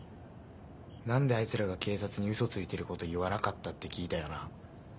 「何であいつらが警察に嘘ついてること言わなかった？」って聞いたよな？